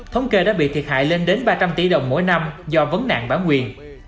thống kê đã bị thiệt hại lên đến ba trăm linh tỷ đồng mỗi năm do vấn nạn bản quyền